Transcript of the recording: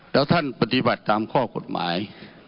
แล้วท่านปฏิบัติตามข้อกฎหมาย